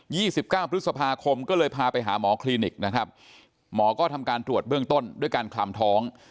ี่สิบเก้าพฤษภาคมก็เลยพาไปหาหมอคลินิกนะครับหมอก็ทำการตรวจเบื้องต้นด้วยการคลำท้อง